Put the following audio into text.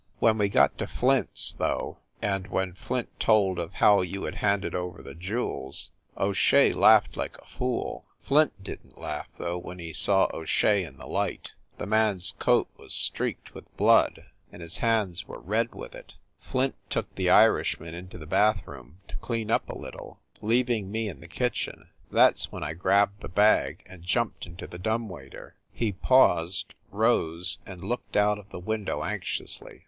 When we got to Flint s, though, and when Flint told of how you had handed over the jewels, O Shea laughed like a fool. Flint didn t laugh, though, when he saw O Shea in the light. The man s coat was streaked with blood, antf his hands THE NORCROSS APARTMENTS 273 were red with it. Flint took the Irishman into the bathroom to clean up a little, leaving me in the kitchen. That s when I grabbed the bag and jumped into the dumb waiter." He paused, rose and looked out of the window anxiously.